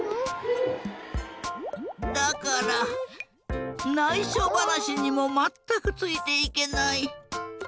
だからないしょばなしにもまったくついていけない。